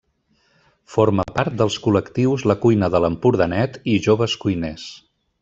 Forma part dels col·lectius La Cuina de l'Empordanet i Joves Cuiners.